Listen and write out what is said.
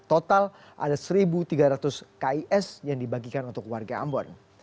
total ada satu tiga ratus kis yang dibagikan untuk warga ambon